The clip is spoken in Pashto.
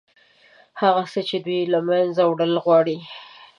هغه څه چې دوی له منځه وړل غواړي.